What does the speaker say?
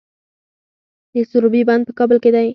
د سروبي بند په کابل کې دی